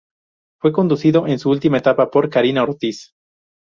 Fue conducido en su última etapa por Karina Ortiz.